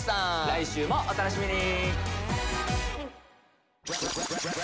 来週もお楽しみに。